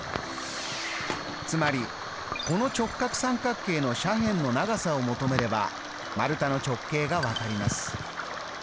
つまりこの直角三角形の斜辺の長さを求めれば丸太の直径が分かります。